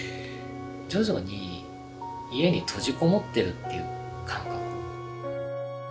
徐々に家に閉じこもってるっていう感覚。